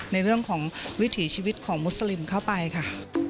ในเรื่องของวิถีชีวิตของมุสลิมเข้าไปค่ะ